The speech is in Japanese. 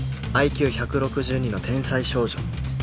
ＩＱ１６２ の天才少女